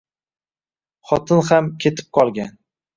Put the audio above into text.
Xotin ham ketib qolgan